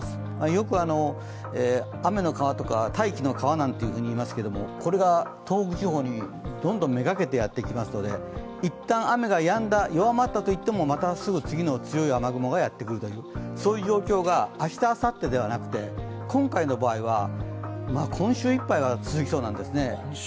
よく雨の川とか大気の川とかいいますけどこれが東北地方にどんどん目がけてやってきますので一旦雨がやんだ、弱まったといっても、次の強い雨雲がやってくる、そういう状況が明日、あさってではなくて今回の場合は今週いっぱいは続きそうなんですね。